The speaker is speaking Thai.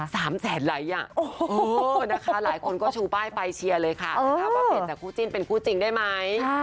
สามแสนไลค์อ่ะโอ้โหนะคะหลายคนก็ชูป้ายไปเชียร์เลยค่ะว่าเปลี่ยนจากคู่จิ้นเป็นคู่จริงได้ไหม